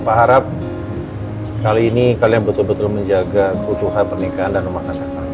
pak harap kali ini kalian betul betul menjaga kebutuhan pernikahan dan rumah kandang kandang